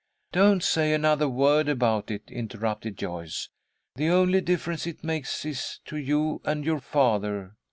"Don't say another word about it," interrupted Joyce. "The only difference it makes is to you and your father.